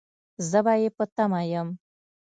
زه به يې په تمه يم